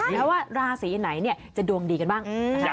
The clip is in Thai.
แล้วว่าราศีไหนจะดวงดีกันบ้างนะคะ